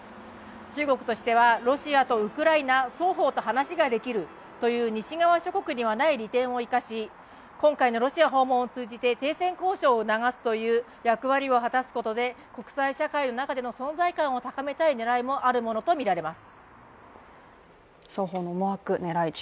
中国としては、ロシアとウクライナ双方と話ができるという西側諸国にはない利点を生かし今回のロシア訪問を通じて停戦交渉を促すという役割を果たすことで国際社会の中での存在感を高めたい狙いもあるものと思われます。